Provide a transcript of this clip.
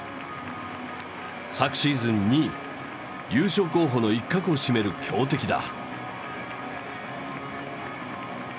昨シーズン２位優勝候補の一角を占める強敵だ。